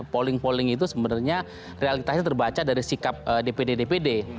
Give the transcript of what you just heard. polling polling itu sebenarnya realitasnya terbaca dari sikap dpd dpd